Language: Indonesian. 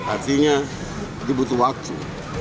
artinya dibutuh waktu